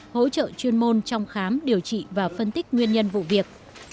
hỗ trợ chuyên môn trong khám điều trị và phân tích nguyên nhân vụ việc